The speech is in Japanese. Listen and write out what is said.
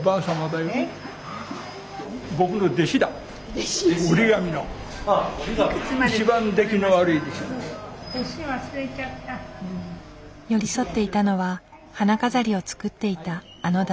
寄り添っていたのは花飾りを作っていたあの男性。